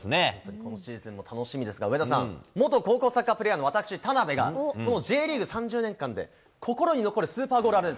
今シーズンも楽しみですが、上田さん、元高校サッカープレーヤーの私、田辺が、このＪリーグ３０年間で心に残るスーパーゴールあるんです。